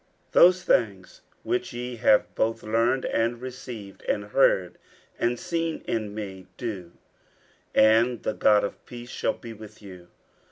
50:004:009 Those things, which ye have both learned, and received, and heard, and seen in me, do: and the God of peace shall be with you.